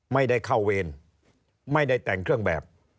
ไม่ได้เข้าเวรไม่ได้แต่งเครื่องแบบ